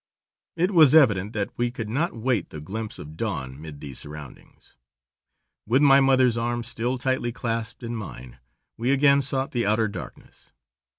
It was evident that we could not wait the glimpse of dawn 'mid these surroundings. With my mother's arm still tightly clasped in mine, we again sought the outer darkness.